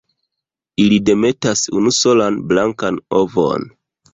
Ili demetas unusolan blankan ovon.